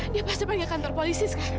dia pasti pergi kantor polisi sekarang